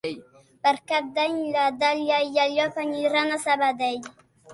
Per Cap d'Any na Dàlia i en Llop aniran a Sabadell.